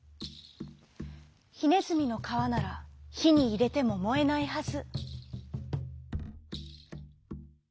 「ひねずみのかわならひにいれてももえないはず」。